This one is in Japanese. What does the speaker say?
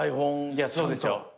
いやそうでしょ。